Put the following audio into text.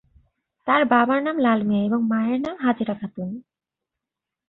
তার বাবার নাম লাল মিয়া এবং মায়ের নাম হাজেরা খাতুন।